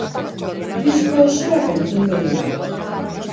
Disko osoak entzungo dira.